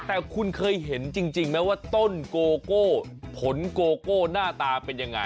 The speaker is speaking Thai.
แต่คุณเคยเห็นจริงไหมว่าต้นโกโก้ผลโกโก้หน้าตาเป็นยังไง